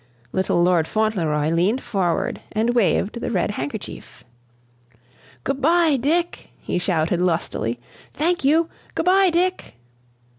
Little Lord Fauntleroy leaned forward and waved the red handkerchief. "Good bye, Dick!" he shouted, lustily. "Thank you! Good bye, Dick!"